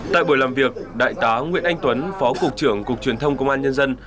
tại buổi làm việc đại tá nguyễn anh tuấn phó cục trưởng cục truyền thông công an nhân dân